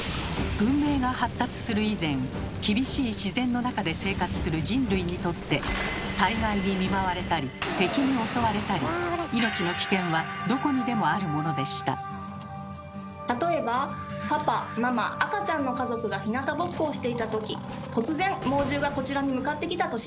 文明が発達する以前厳しい自然の中で生活する人類にとって災害に見舞われたり敵に襲われたり例えばパパママ赤ちゃんの家族がひなたぼっこをしていた時突然猛獣がこちらに向かってきたとします。